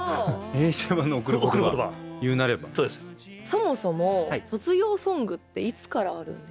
そもそも卒業ソングっていつからあるんですか？